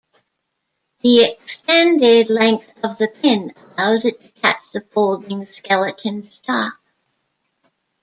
The extended length of the pin allows it to catch the folding skeleton stock.